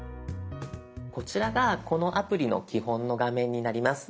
こちらがこのアプリの基本の画面になります。